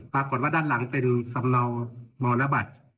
ปรากฏว่าด้านหลังเป็นสำเนามรณบัตร